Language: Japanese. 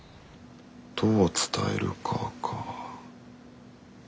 どう伝えるかか。